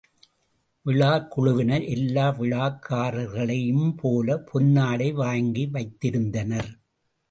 விழாக் குழுவினர் எல்லா விழாக்காரர்களையும் போலப் பொன்னாடை வாங்கி வைத்திருந்தனர்.